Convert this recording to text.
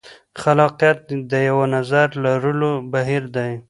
خلاقیت د یوه نظر لرلو بهیر دی.